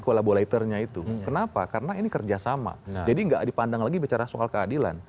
kolaboratornya itu kenapa karena ini kerjasama jadi enggak dipandang lagi bicara soal keadilan